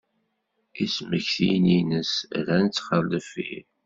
Ismektiyen-ines rran-tt ɣer deffir.